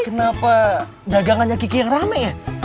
kenapa dagangannya kiki yang rame ya